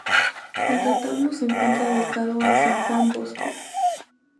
El retablo se encuentra dedicado a san Juan Bosco.